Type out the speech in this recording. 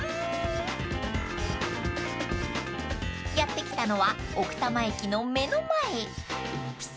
［やって来たのは奥多摩駅の目の前］